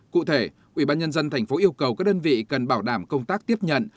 cụ thể ủy ban nhân dân thành phố yêu cầu các đơn vị cần bảo đảm công tác tiếp nhận